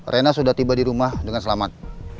rena sudah tiba di rumah dengan selamat